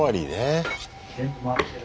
・全部回ってる。